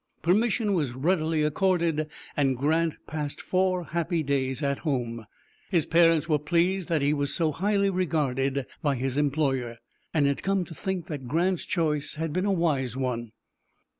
Permission was readily accorded, and Grant passed four happy days at home. His parents were pleased that he was so highly regarded by his employer, and had come to think that Grant's choice had been a wise one.